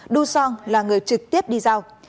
dosu là người trực tiếp đi giao